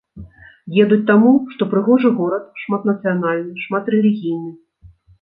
Едуць таму, што прыгожы горад, шматнацыянальны, шматрэлігійны.